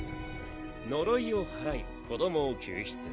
呪いを祓い子どもを救出。